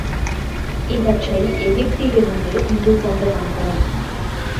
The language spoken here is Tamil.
இவற்றை எகிப்திலிருந்து இங்கு கொண்டு வந்தோம்.